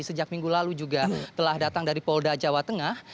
sejak minggu lalu juga telah datang dari polda jawa tengah